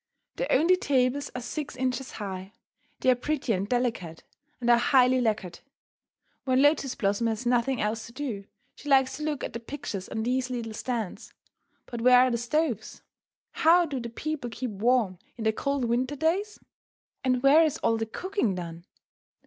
The only tables are six inches high. They are pretty and delicate, and are highly lacquered. When Lotus Blossom has nothing else to do, she likes to look at the pictures on these little stands. But where are the stoves? How do the people keep warm in the cold winter days? And where is all the cooking done?